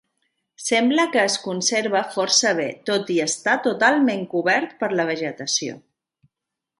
Sembla que es conserva força bé tot i estar totalment cobert per la vegetació.